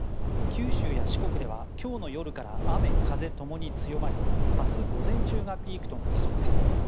九州や四国では今日の夜から雨風ともに強まり明日午前中がピークとなりそうです。